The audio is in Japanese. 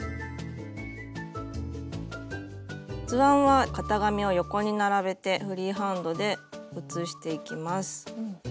図案は型紙を横に並べてフリーハンドで写していきます。